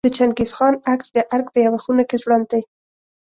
د چنګیز خان عکس د ارګ په یوه خونه کې ځوړند دی.